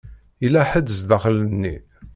Yella ḥedd zdaxel-nni.